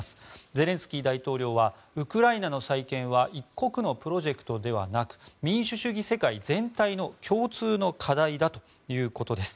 ゼレンスキー大統領はウクライナの再建は１国のプロジェクトではなく民主主義世界全体の共通の課題だということです。